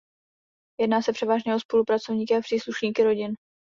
Jedná se převážně o spolupracovníky a příslušníky rodin.